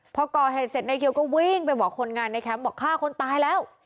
พอก่อเหตุเสร็จนายเขียวก็วิ่งไปบอกคนงานในแคมป์บอกฆ่าคนตายแล้ว